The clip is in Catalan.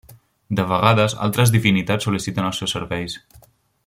De vegades altres divinitats sol·liciten els seus serveis.